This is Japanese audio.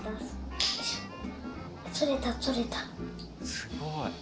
すごい。